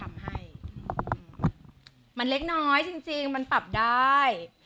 มันเล็กน้อยจริงมันปรับได้